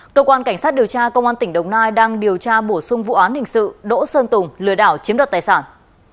cơ quan cảnh sát điều tra công an tỉnh đồng nai đang điều tra bổ sung vụ án hình sự đỗ sơn tùng lừa đảo chiếm đoạt tài sản